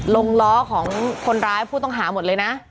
ล้อของคนร้ายผู้ต้องหาหมดเลยนะ